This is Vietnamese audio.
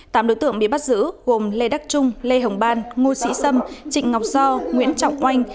tám đối tượng bị bắt giữ gồm lê đắc trung lê hồng ban ngô sĩ sâm trịnh ngọc so nguyễn trọng oanh